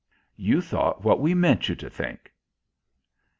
You thought what we meant you to think."